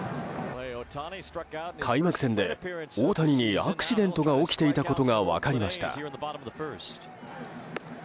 開幕戦で大谷にアクシデントが起きていたことが分かりました。